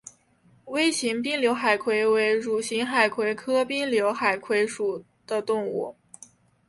微型滨瘤海葵为蠕形海葵科滨瘤海葵属的动物。